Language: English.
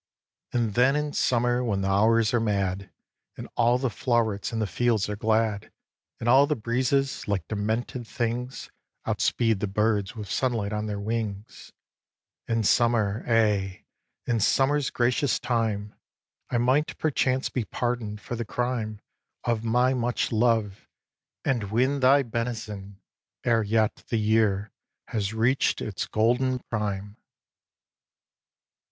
And then in summer, when the hours are mad, And all the flow'rets in the fields are glad, And all the breezes, like demented things Outspeed the birds with sunlight on their wings, In summer, aye! in summer's gracious time, I might perchance be pardon'd for the crime Of my much love, and win thy benison Ere yet the year has reached its golden prime!